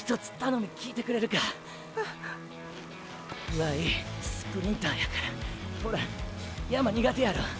ワイスプリンターやからほら山苦手やろ？